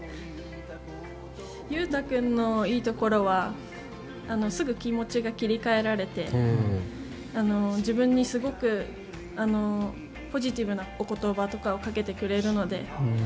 勇大君のいいところはすぐ気持ちが切り換えられて自分にすごくポジティブなお言葉とかをかけてくれるので。